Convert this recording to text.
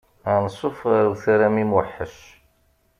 Ansuf ɣer Utaram imweḥḥec.